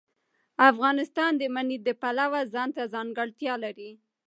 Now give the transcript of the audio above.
افغانستان د منی د پلوه ځانته ځانګړتیا لري.